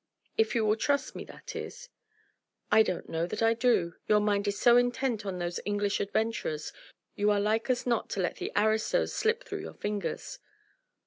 If you will trust me that is " "I don't know that I do. Your mind is so intent on those English adventurers, you are like as not to let the aristos slip through your fingers."